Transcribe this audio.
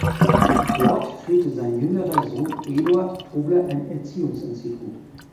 Dort führte sein jüngerer Sohn Eduard Tobler ein Erziehungsinstitut.